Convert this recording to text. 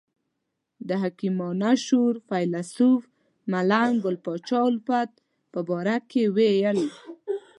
د حکیمانه شعور فیلسوف ملنګ ګل پاچا الفت په باره کې ویل.